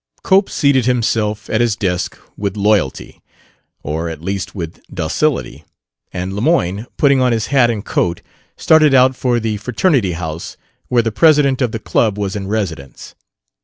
Cope seated himself at his desk with loyalty, or at least with docility; and Lemoyne, putting on his hat and coat, started out for the fraternity house where the president of the club was in residence.